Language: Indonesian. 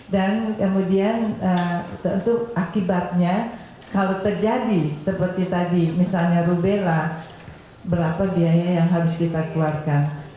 dan kemudian untuk akibatnya kalau terjadi seperti tadi misalnya rubella berapa biaya yang harus kita keluarkan